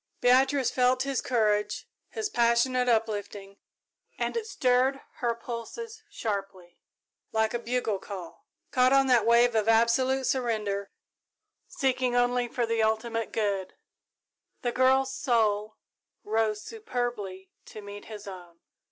Beatrice felt his courage, his passionate uplifting, and it stirred her pulses sharply, like a bugle call. Caught on that wave of absolute surrender, seeking only for the ultimate good, the girl's soul rose superbly to meet his own.